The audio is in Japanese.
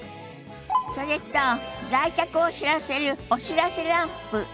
それと来客を知らせるお知らせランプ。